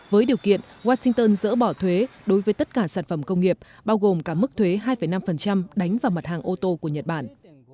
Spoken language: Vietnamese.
với điều kiện washington dỡ bỏ thuế đối với tất cả sản phẩm công nghiệp bao gồm cả mức thuế hai năm đánh vào mặt hàng ô tô của nhật bản